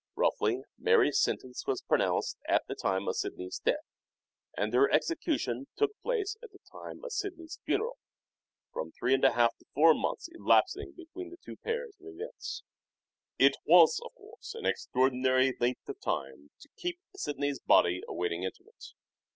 Roughly, Mary's sentence was pronounced at the time of Sidney's death and her execution took place at the time of Sidney's funeral, 350 MANHOOD OF DE VERB 351 from three and a half to four months elapsing between the two pairs of events. It was, of course, an extraordinary length of time to keep Sidney's body awaiting interment.